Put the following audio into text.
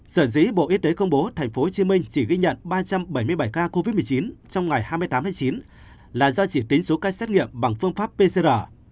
sở dĩ bộ y tế công bố tp hcm chỉ ghi nhận ba trăm bảy mươi bảy ca covid một mươi chín trong ngày hai mươi tám tháng chín là do chỉ tính số ca xét nghiệm bằng phương pháp pcr